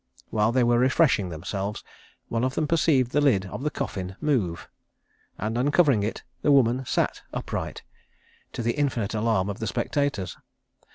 While they were refreshing themselves, one of them perceived the lid of the coffin move, and uncovering it, the woman sat upright, to the infinite alarm of the spectators.